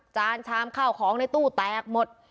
จานชามข้าวของในตู้แตกหมด